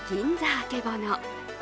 あけぼの。